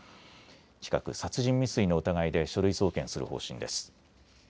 近く殺人未遂の疑いで書類送検する方針です。